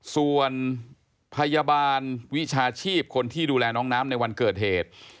ส่วนพยาบาลวิชาชีพคนที่ดูแลน้องน้ำในวันเกิดเหตุ